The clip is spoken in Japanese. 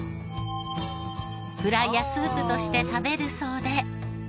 フライやスープとして食べるそうで。